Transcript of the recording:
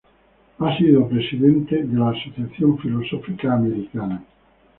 Ha sido presidente de la Asociación Filosófica Americana.